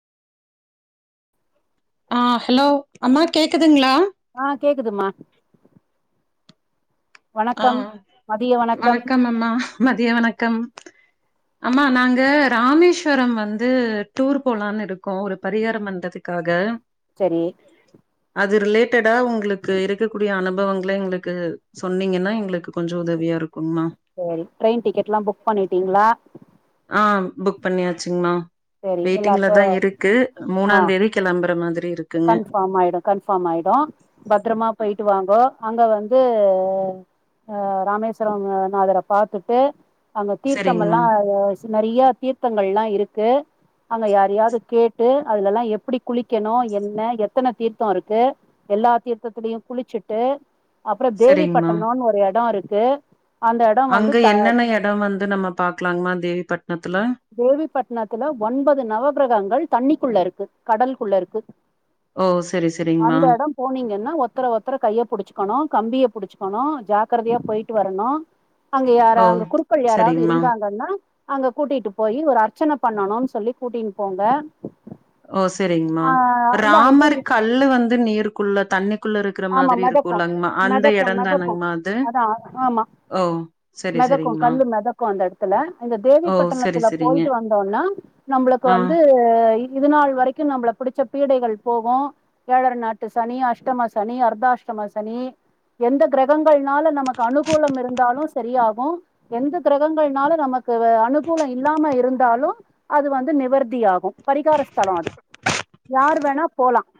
ஆ hello அம்மா கேக்குதுங்ளா ஆ கேக்குதுமா ஆ வணக்கம் வணக்கம் அம்மா மதிய வணக்கம் அம்மா நாங்க ராமேஸ்வரம் வந்து டூர் போலான் இருக்கோ ஒரு பரிகாரம் பண்றதுக் க்காக சரி அது ரிலேட்டடா உங்களுக்கு இருக்கக்கூடிய அனுபவங்கள எங்ளுக்கு சொன்னிங்கன்னா எங்களுக்கு கொஞ்சோ உதவியா இருக்குங்ம்மா சரி ட்ரெயின் டிக்கெட்லா புக் பண்ணிட்டீங்களா ஆ புக் பண்ணியாச்சுங்கமா சரி வெயிட்டிங்ல எல்லாருக்கு தா இருக்கு மூணாந்தேதி கெளம்பற மாதிரி இருக் கண்ஸ் ஃபாமாயிடு கன்ஃபாமாயிடு பத்திரமா போய்ட்டு வாங்கோ அங்க வந்து அ ராமேஸ்வரம் நாதர பாத்துட்டு அங்க சரிங்மா தீர்த்தமெல்லா [unintelligible] நறைய தீர்த்தங்கள்ளா இருக்கு அங்க யாரயாது கேட்டு அதுலலா எப்டி குளிக்கணு என் ன எத்தன தீர்த்தம் இருக்கு எல்லா தீர்த்தத்திலையும் குளிச்சுட்டு அப்றோ சரிங்மா. தேவிப்பட்டனேனு ஒரு எடோ இருக்கு அந்த எடோ வந்து அங்க த என்னென்ன எடம் வந்து நம்ம பாக்கலாங்கமா தேவிப்பட்னத்துல தேவிப்பட்னத்துல ஒன்பது நவ கிரகங்கள் தண்ணிக்குள்ள இருக்கு கடல்குள்ள இருக்கு ஓ சரி சரிங்மா அந்த இடம் போனீங்கன்னா ஒத்தர ஒத்தர கைய்ய புடிச்சுக்கணு கம்பிய புடிச்சுக்கணு ஜாக்காரதையா போய்ட்டு வரணு அங்க யாரா ஓ அங்க குருக்கள் யாராவ்து சரிங்மா. இருந்தாங்கன்னா அங்க கூட்டிட்டு போயி ஒரு அர்ச்சன பண்ணன் சொல்லி கூட்டின் போங்க ஓ சரிங்மா ஆஹ் இல்ல ராமர் அங்கேயும் கல்லு வந்து நீர்க்குள்ள தண்ணி குள்ள இருக்குற ஆமா மாரி மிதக்கும் இருக்குலங்மா அந்த மிதக்கும் எடந் மிதக்கும் தானங்கமா அது ஓ சரி மெதக்கு சரிங்கம்மா. கல்லு மெதக்கு அந்த எடத்துல இந்த ஓ! சரி தேவிப்பட்டணத்துல சரிங்க. போயிட்டு வந்தோனா நம்பளுக்கு ஆ. வந்து இது நாள் வரைக்கு நம்பள பிடிச்ச பீடைகள் போகு ஏழர நாட்டு சனி அஷ்டம சனி அர்தாஷ்டம சனி எந்த கெரகங்கள்னால நமக்கு அனுகூலம் இருந்தாலு சரியா ஆகு எந்த கெரகங்கள்னால நமக்கு அனுகூல இல்லாம இருந்தாலு அது வந்து நிவர்த்தி ஆகும் பரிகார ஸ்தலோ அது யார் வேணா போலா